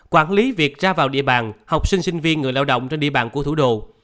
quản lý việc ra vào địa bàn học sinh sinh viên người lao động trên địa bàn của thủ đô